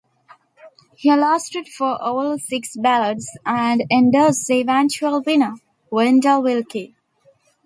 He lasted for all six ballots, and endorsed the eventual winner, Wendell Willkie.